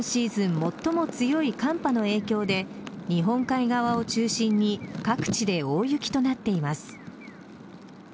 最も強い寒波の影響で日本海側を中心に各地で大雪となっています。